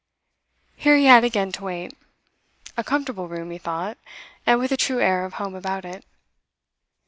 Here he had again to wait. A comfortable room, he thought, and with a true air of home about it.